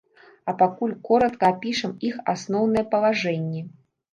А пакуль коратка апішам іх асноўныя палажэнні.